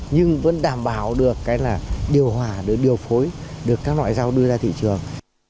nhưng vẫn đảm bảo được điều hòa để điều phối được các loại rau đưa ra thị trường